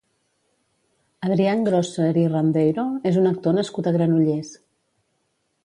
Adrian Grösser i Randeiro és un actor nascut a Granollers.